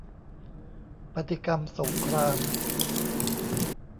ปฏิกรรมสงคราม